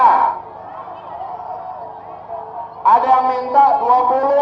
ada yang minta dua puluh